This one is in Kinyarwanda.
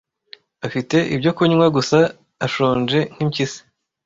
afite ibyo kunywa gusa ashonje nk impyisi